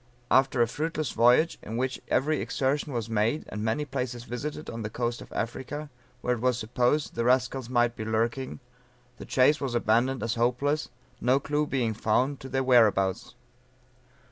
After a fruitless voyage in which every exertion was made, and many places visited on the coast of Africa, where it was supposed the rascals might be lurking, the chase was abandoned as hopeless, no clue being found to their "whereabouts."